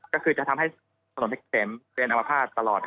ก็คือจะทำให้สนุนเท็กเกษมเป็นอัมพาตตลอดครับ